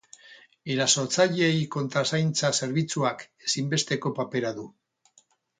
Erasotzaileei kontrazaintza zerbitzuak ezinbesteko papera du.